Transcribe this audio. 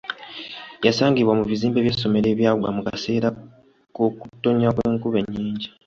Yasangibwa mu bizimbe by'essomero ebyagwa mu kaseera k'okuktoonya kw'enkuba ennyingi.